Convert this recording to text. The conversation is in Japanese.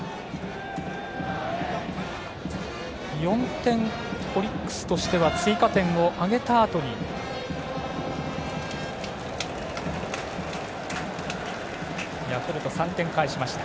４点、オリックスとしては追加点を挙げたあとにヤクルト、３点返しました。